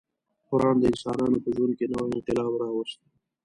قران د انسانانو په ژوند کې نوی انقلاب راوست.